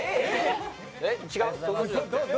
違う。